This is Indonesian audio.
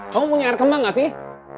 kamu punya air kembang gak sih